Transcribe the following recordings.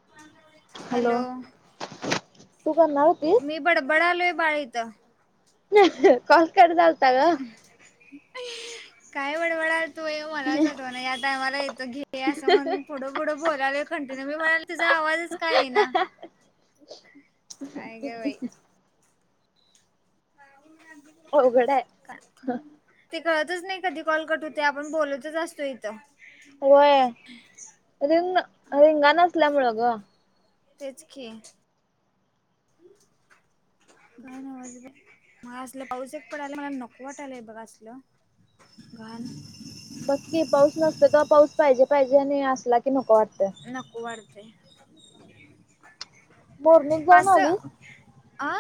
[inaudible] Hello. तू करणार होतीस? मी बडबडायलोय बाळ इथं. कॉल कट झालता गं. काय बडबडत. तो ये मलाच आठवेना या टामाला येतं घे असं म्हण. पुढं पुढं बोलाले कंटिन्यू मी म्हणाले तिचा आवाजच का येईना. काय का बाई. [unintelligible] अवघड हाय. काय ते कळतच नाही कधी कॉल कट होतोय आपण बोलतच असतो इथं. होय रिंग रिंगा नसल्यामुळं ग. तेच की. [inaudible] मग असलं पाऊस एक पडालाय मला नको वाटतय बघ असलं. घाण. बघ की पाऊस नसला तर पाऊस पाहिजे पाहिजे आणि असला. की नको वाटतं. नको वाटतेय. मोरणीत जाऊन आलीस आ,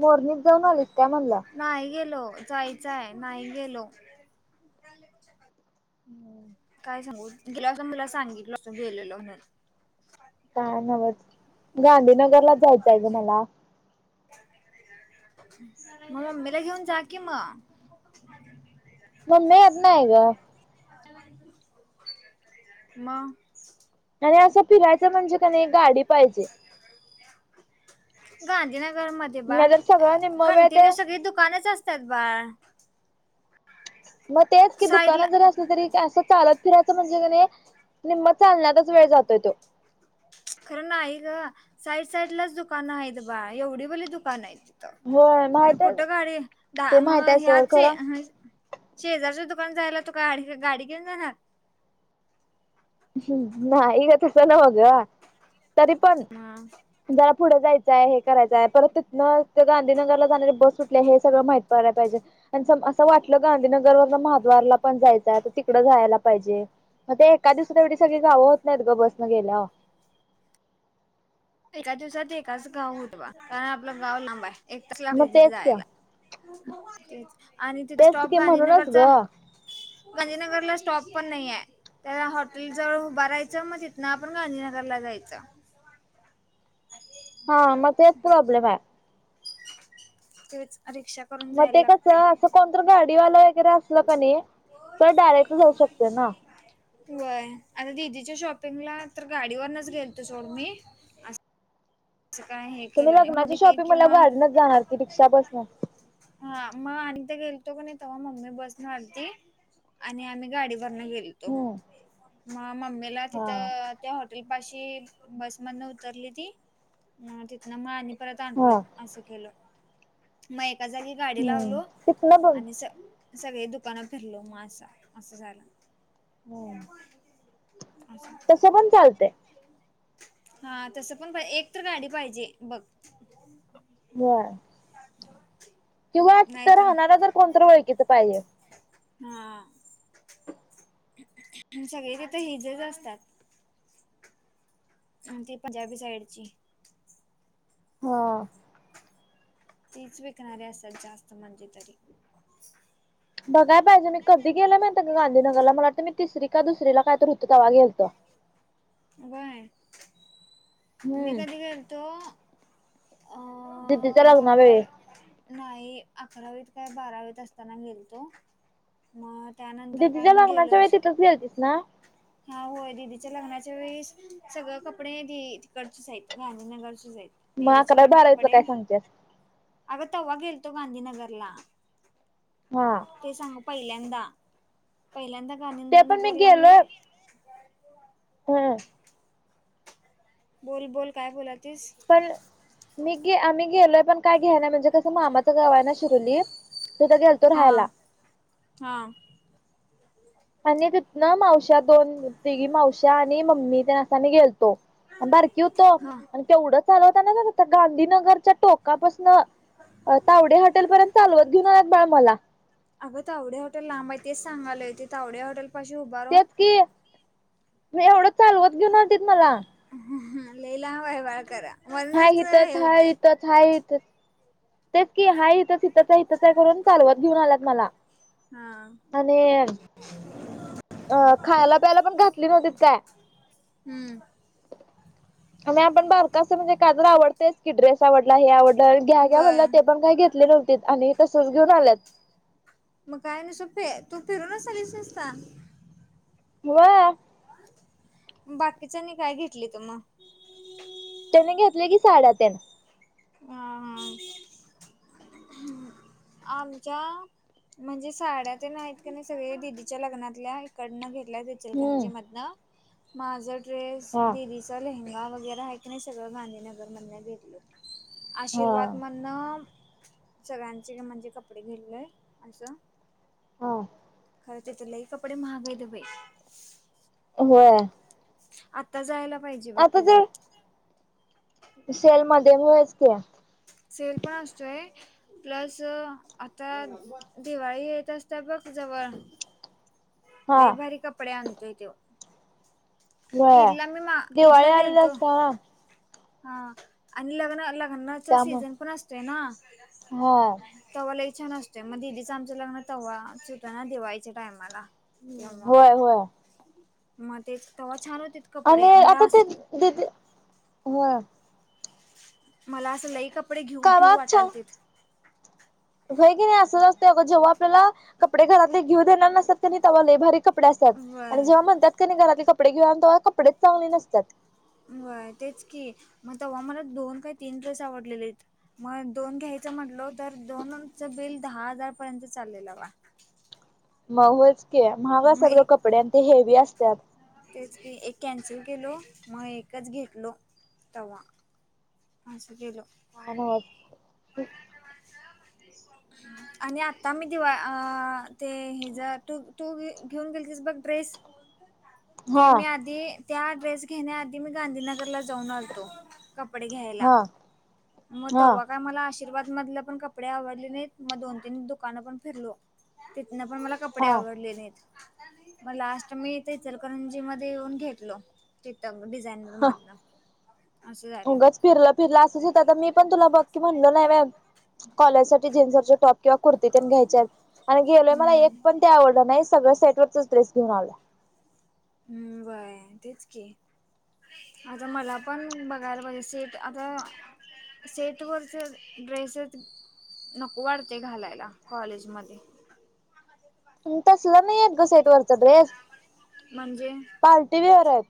मोरणीत जाऊन आलीस काय म्हणला. नाही गेलो जायचंय नाही गेलो. [unintelligible] हम. काय सांगू गेला असं मला सांगितलं असं गेलेलं म्हणून. काय न्हवच गांधीनगरला जायचं आहे ग मला. मग मम्मीला घेऊन जा कि मग. मम्मी येत नाही ग. मग. आणि असं फिरायचं म्हणजे का नाही गाडी पाहिजे. गांधीनगर मध्ये. बाळ नाही तर सगळा अ निम्म वेळ ते कंटिन्यू सगळी दुकानच असतात बाळ. [inaudible] मग तेच की साईडला दुकानं जरी असली तरी असं चालत. फिरायच म्हणजे निम्मा चालण्यातच वेळ जातोय तो. खरं नाही ग साईड साईड लाच दुकानं आहेत बाळ एवढी बली दुकानं आहेत. त होय आणि माहित आहे कुठं गाडी द ते मग माहित आहे सोड ह्याच खरं हाय. शेजारच्या दुकानला जायला तु काय गाडी घेऊन जाणार. हम्म नाही गं तस न्हवे गं तरी पण. मग जरा पुढे जायचंय हे करायचय परत तिथंन गांधीनगरला जाणारी बस सु''--'' आपलं हे सगळं माहित व्हायला पाहिजे. आणि सम असं वाटलं गांधीनगर वरून महाद्वारला पण जायचं आहे तर तिकडं जायला पाहिजे. मग ते एका दिवात तेवढी सगळी गावं होत नाहीत ग बसनं गेल्या. एका दिवसात एकाच गाव होत बा कारण आपलं गाव लांब आहे. एक तास मग लागते तिथे तेच की जायला आणि तिथ तेच स्टॉप की गांधी म्हणूनच ग नगरचा. गांधी नगरला स्टॉप पण नाही आहे. त्याला हॉटेल जवळ उभं राहायचं मग तिथनं आपण गांधी नगरला जायचं. हा म ते प्रॉब्लेम आहे. तेच रिक्षा करून मग जायला ते कसं लागते. असं कोणत गाडीवाला वगैरे असलं का नाही तर डायरेक्ट जाऊ शकते ना. वय आणि दिदीच्या शॉपिंगला तर गाडीवरुनच गेलतो सोड मी. असं काय हे तुम्ही केलो नाही म लग्नाची मी ते शॉपिंग मला किंवा गाडीनच जाणार की रिक्षा बसणार हा म अनिते गेलतो का नाही तेव्हा मम्मी बस ना आलती. आणि आम्ही गाडीवरनं गेलतो हम्म मग मम्मीला हा तिथं त्या हॉटेल पाशी बसमधनं उतरली ती. अ तिथनं मानी परत हा आणलो असं केलं मग एका जागी गाडी हम्म लावलो तिथनं बघ आणि स सगळी दुकानं फिरलो मगा असं आहे असं झालं. असं तसं पण चालतंय हा ताण पण पाही एक तर गाडी पाहिजे बघ. जा [inaudible] किंवा तर राहणारा जर कोणतरी ओळखीचं पाहिजे. हां. म सगळी तिथे हिजेच असतात. आन ती पंजाबी साईडची हां. तीच विकणारे असतं जास्त म्हणजे तरी बघाय पाहिजे मी कधी गेलं माहिते का गांधी नगरला मला वाटतंय मी तिसरी का दुसरीला कायतर होते तेव्हा गेलेतो. बय मी हम्म कधी गेलतो? अ दिदीच्या लग्नाला बारावी ये. नाही अकरावीत काय बारावीत असताना गेलतो. म त्यानंतर काय मी गेलोच कसी गेलतीस ना हा होय दिदीच्या लग्नाच्या वेळेस सगळं कपडे ती तिकडचच आहेत गांधीनगरचीच आहेत. मग दीदीचे अकरावी पण बारावीतलं कपडे काय सांगतेस अगं तेव्हा गेलतो गांधीनगरला. हा ते सांग पहिल्यांदा पहिल्यांदा ते पण गांधीनगरला मी होय बोल बोल काय बोलातीस? पण मी आम्ही गेलोय पण काय घ्यायला म्हणजे कसं मामाचा गावाना शिरवली ततिथं गेलतो राहायला. हां. आणि तिथनं मावश्या दोन तिघी मावश्या आणि मम्मीतेन असं मी तेन गेलतो. बारकी होतं हा आणि तेवढं चालवताना गं त्या गांधी नगरच्या टोकापासनं तावडे हॉटे पर्यंत चालवत घेऊन एक बाळ मला. अगं तावडे हॉटे लांब आहे तेच सांगायले होते ते तवड्या हॉटेल पाशी उभारून तेच कि मी एवढं चालवत घेऊन तीत मला. हम्म लई वयवाळ करा हा वरूनच इथच हे आहे होते इथं छाय इथचं हा तेच की हाय इथच इथच आहे करून चालवत घेऊन आलात मला. हा आणि अ खायला पियला पण घातली नव्हतीत काय? हम्म म्ह आपण बारका असं म्हणजे कादर आवडतेयस क ड्रेस आवडला हे आवडल घ्या घ्या बय म्हणला ते पण काही घेतले नव्हतीत आणि तसच घेऊन आलेत. मग काय नुस्ता ते तू फिरूनच आलीस नुस्ता [unintelligible] बाकीच्यानी काय घेतली त मग? त्याने घेतले की साड्या त्यान हम हम [inaudible] आमच्या म्हणजे साड्यात नाही आहेत का नाही सगळे दिदीच्या लग्नातल्या इकडनं घेतल्या हम्म चिळकांजी मधन माझ ड्रेस हा दीदी लेहंगा वगैरे आहे की नाही सगळ गांधीनगर मधन घेतलं हा आशीर्वाद म्हणण. सगळ्यांचे म्हणजे कपडे घेतलेय असं. हा खरंच तर लई कपडे महागाय द बाई. होय. आता जायला पाहिजे बघ आता तिझं. जर सेल मध्ये होतच की सेल पण असतोय प्लस आता दिवाळी येत असत बघ जवळ. हा दलई भारी कपडे आणतोय त्यो व्हय ईदला मी मा दिवाळी ईदला आलेली गेलतो असत्या ना हा आणि लग्न लग्नाच त्यामुळं सीझन पण असत ना हा तव्हालाई छान असततेय मग दिदीचं आमचं लग्न तवा सुतं ना दिवाळीच्या टायमाला तेव्हा होय होय मग ते तेव्हा छान होते. आणि आता दीदी ह. मला असं लई कपडे घेऊ घेऊ कावा वाटाल छान ते होय की नाही असतं अग जेव्हा आपल्याला कपडे घरातले घेऊ देणार नसतात की नाही तेव्हा लय भारी कपडे कपडे असतात आणि व्हय जेव्हा म्हणत्यात की नाही घरातले कपडे घेऊया तेव्हा कपडेच चांगले नसतात व्हय तेच की मग तेव्हा मला दोन काही तीन ड्रेस आवडलेलेत मग दोन घ्यायचं म्हटलो तर दोनच बिल दहा हजार पर्यंत चाललेलं बा मग होतच की महाग मग असतात ग एक कपडे आणि ते हेवी असतात तेच की एक कॅन्सल केलो मग एकच घेतलो तवा अस केलो [unintelligible] [unintelligible] आणि आता मी दिवा ते हेज तू तू घेऊन दिलतीस बघ ड्रेस [inaudible] ते मी आधी त्या ड्रेस घेण्या आधी मी गांधीनगरला जाऊन आलतो कपडे घ्यायला. हा मग हा तेव्हा काय मला आशीर्वाद मधले पण कपडे आवडले नाहीत मग दोन तीन दुकानं पण फिरलो तिथन पण मला कपडे हा आवडले नाहीत मग लास्ट मी ते इचलकरंजी मध्ये येऊन घेतलो चितंग डिझायनर मधन अस झाले. फिरल फिरल असच होत आता मी पण तुला बघ की म्हणलो नाही होय कॉलेज साठी जीन्सचे टॉप. किंवा कुर्ती तेन घ्यायच्यात आणि गेलोय मला हम्म एक पण ते आवडलं नाही सगळं सेट वरचच ड्रेस घेऊन आलो. हम्म, व्हय तेच की. आता मला पण बघायला पाहिजे सेट आता. सेटवरच ड्रेसेच नको वाटतय घालायला कॉलेजमध्ये. तसलं नाहीएत ग सेट वरच ड्रेस म्हणजे? पार्टी वेअर हाय.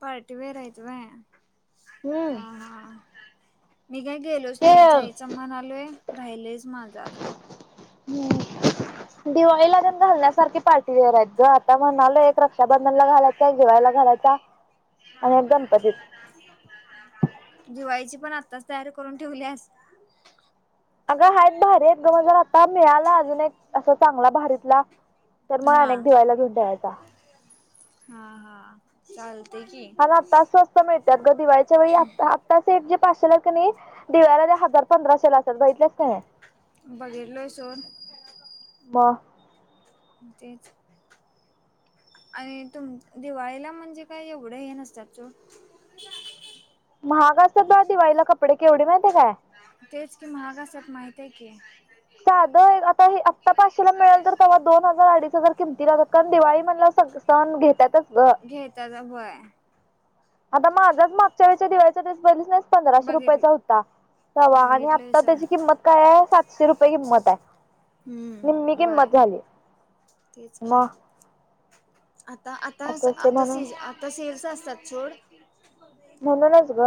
पार्टी वेअर हायत व्हय हम्म. ह ह! मी काय गेलोच नाही ते जायचं म्हणालोय राहिलयच माझं अजून [unintelligible] दिवाळीला तेन घालण्यासारखी पार्टी वेअर आहेत ग आता म्हणालोय एक रक्षाबंधनला घालायच. नंतर दिवाळीला घालयचा. [unintelligible] दिवाळीची पण आताच तयारी करून ठेवल्यास? अगं हायत भारी तो पण आता मिळाला अजून एक असा चांगला भारीतला तर मग हा अनेक दिवाळीला घेऊन ठेवायचा. हा हा चालते की. आणि आता स्वस्त सेठ जे पाचशे ला कणी दिवाळीला ते हजार पंधराशे ला असत्यात बघितल्यास कणी बघितलोय सोड मग तेच! आणि तुम दिवाळीला म्हणजे काय एवढं हे नसत्यात सोड महाग असत्यात बा दिवाळीला कपडे केवढी माहिती काय? तेज की महाग असत्यात माहित हाय की. साध गेला तरी आता- पाचशे ला मिळेल तर तेव्हा दोन हजार अडीच हजार किमती ल कारण दिवाळी म्हणला सण घेतातच ग तसं व्हय. आता माझाच मागच्या वेळेच्चा दिवाळीचा ड्रेस बघीतलायस पंधराशे बघितल रुपयाचा होता. तवा आणि बघितलंय आता सोड त्याची किंमत काय हाय, सातशे रुपये किंमत आहे निम्मी हम्म वय किंमत झाली. तेच की. मग आता आता असं असते आता से म्हणून आता सेल्स असतात सोड म्हणूनच ग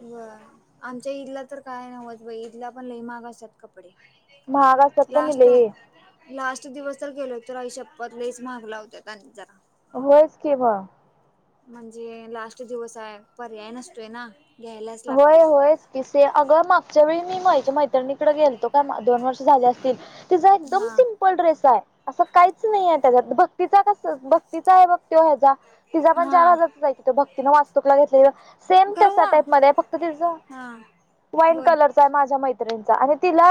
बर आमच्या ईदला तर काय नव्हच बघ ईदला पण लय महाग असत्यात. कपडे महाग असतात कणी लास्ट लई लास्ट दिवस तर गेलो तर आईशप्पथ लईच महाग लावत्यात आणि जरा होयच की मग. म्हणजे लास्ट दिवस हाय पर्याय नसतोय ना. घ्यायलाच लागते व्हय व्हयच की अगं मग ज्यावेळी मी माझ्या मैत्रिणीकडे गेलतो का दोन वर्ष झाले असतील तिझा एकदम हा सिम म्पल ड्रेस हाय असं काहीच नाही आहे त्याच्यात भक्तीचा कस भक्तीचा हाय बघ तो ह्याचा तिचा पण चार हा हजारचा जा आहे की तो भक्तीने वास्तूकला घेतल्याला सेम करू तसा वा टाईप नाय फक्त तिज हा वाईन बोल कलर चा आहे माझ्या मैत्रिणीचा आणि तिला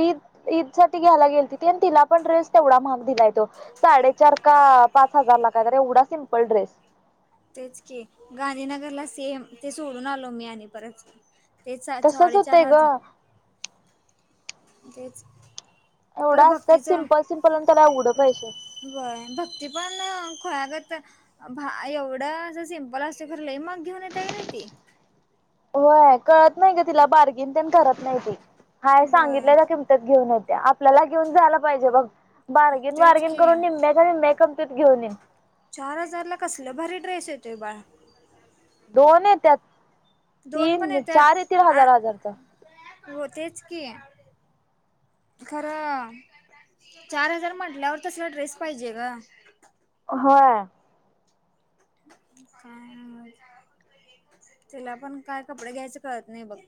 ईद ईद साठी घ्यायला गेलती ते आणि तिला पण ड्रेस तेवढा महाग दिलाय तो साडेचार का पाच हजार ला कायतरी एवढा सिम्पल ड्रेस. तेच की गांधीनगरला सेम ते सोडून आलो मी आणि परत तेचा तसच साडेचार होतंय ग हजार तेच खरं एवढं असतं भक्तीचं सिंपल, सिंपल आणि त्याला एवढं पैशे व्हय भक्ती पण खुळ्यागत भा एवढं असं सिंपल असतय खर लंय महाग घेऊन येत्या की नाही ती. होय कळत नाही का तिला बार्गिन पण करत नाही ती हाय हे व्हय सांगितलेल किम घेऊन येते आपल्याला घेऊन जाला पाहिजे बघ बार्गिन, तेच बार्गेन की करून निम्म्याच्या निम्म्या कमतीत घेऊ येईन. चार हजार ला कसल भरी ड्रेस येतोय बाळा दोन येतात दोन पण तीन, येत्यात चार येतील आ हजार, हजारचा. हो तेच की. खरं चार हजार म्हटल्यावर तसला ड्रेस पाहिजेग. होय. काय [inaudible] तिला पण काय कपडे घ्यायचं कळत नाही बघ.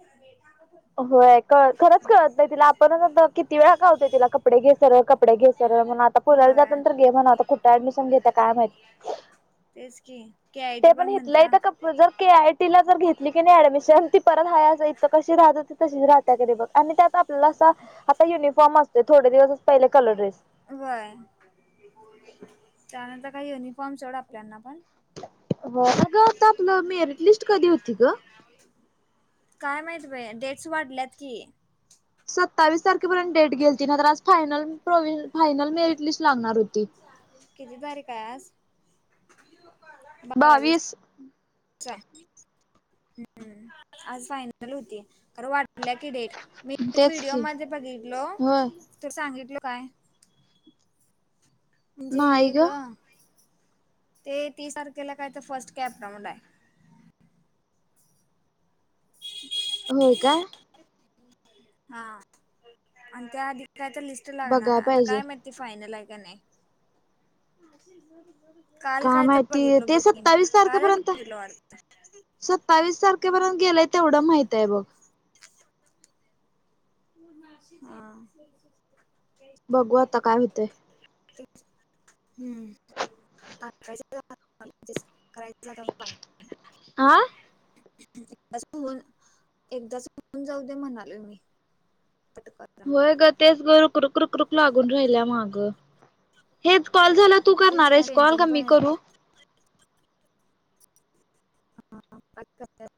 होय खरंच कळत नाही तिला आपण आ किती वेळा खातोय तिला कपडे घे खर कपडे घे खर म्हण पुऱ्याला व्हय जाताना तर घे म्हणाव कुठं डमिशन घेते काय माहित तेच की के आय टी ते पण इथल्या म्हणत्या इथं क जर के आय टी ला जर घेतली की नाही ऍडमिशन ती परत हाय इथ कशी राहत तच राहत्यकानी बघ आणि त्यात आपल्याला असा आता युनिफॉर्म असते थोडे दिवसच पहिले कलर ड्रेस होय त्यानंतर काय युनिफॉर्म सोड आपल्याना पण होग ते आपलं मेरिट लिस्ट कधी होती ग? काय माहिती बाई डेटस वाढल्यात की. सत्तावीस तारखेपर्यंत डेट गेलती ना तर आज फायनल, फायनल मेरिट लिस्ट लागणार होती. किती तारीख आहे आज? बावीस. चालेल आज फायनल होतील खरं वाट वाढल्या की डेट मी एक तेच व्हिडिओ की मध्ये बघितलो होय तर सांगितल काय म्हणजे हे ग ते तीस तारखेला काय तर फर्स्ट कॅब लावलाय आहे. होय काय. हा आणि त्याआधी काय तर लिस्ट लागणार बघाय आता पाहिजे काय माहित ते फायनल आहे का नाही. काल काय तर माहिती बघितलं ते बघी की सत्तावीस तारखेपर्यंत आहे. मी [inaudible] वाटत सत्तावीस तारखेपर्यंत गेलाय तेवढं माहित आहे बघ. हा.. बघू आता काय होतंय. तेच. हम्म, करायचं [inaudible] आह.. होन [inaudible] एकदाच होऊन जाऊ दे म्हणालोय मी पटकन. हो ग तेच ग रुकु रुक रूक लागून राहिल्या माग. हेच कॉल झाल्याव तू तेच करणार की हायस कॉल टेन्शन का पण मी करू? [unintelligible]